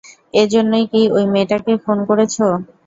এজন্যই কি ঐ মেয়েটাকে খুন করেছ?